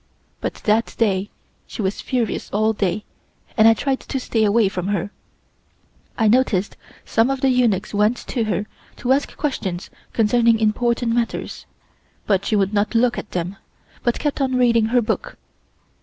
But that day she was furious all day and I tried to stay away from her. I noticed some of the eunuchs went to her to ask questions concerning important matters, but she would not look at them, but kept on reading her book.